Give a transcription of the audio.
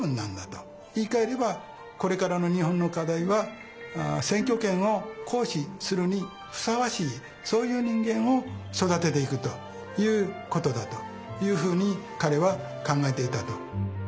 言いかえればこれからの日本の課題は選挙権を行使するにふさわしいそういう人間を育てていくということだというふうに彼は考えていたと。